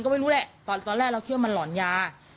ก็ไม่รู้แหละตอนแรกเราคิดว่ามันหลอนยา